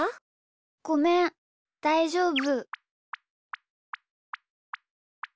ごめんだいじょうぶ。